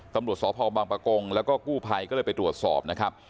ตำรวจสพบังปะกงแล้วก็กู้ภัยก็เลยไปตรวจสอบนะครับ